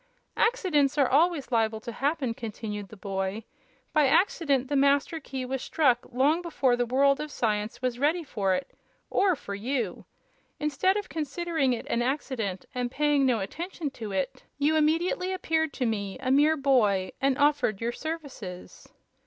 "Accidents are always liable to happen," continued the boy. "By accident the Master Key was struck long before the world of science was ready for it or for you. Instead of considering it an accident and paying no attention to it you immediately appeared to me a mere boy and offered your services."